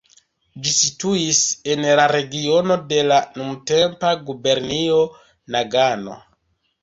Ĝi situis en la regiono de la nuntempa gubernio Nagano.